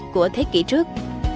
của thế kỷ trước